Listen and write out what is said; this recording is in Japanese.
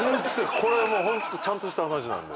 これはもうホントちゃんとした話なんで。